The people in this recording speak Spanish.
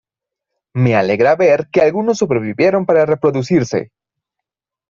Me alegra ver que algunos sobrevivieron para reproducirse".